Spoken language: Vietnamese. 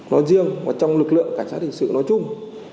nói riêng và trong lực lượng cảnh sát hình sự nói chung